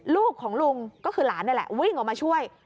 ลูกของลุงก็คือหลานนี่แหละวิ่งออกมาช่วย